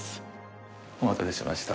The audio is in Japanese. お待たせしました。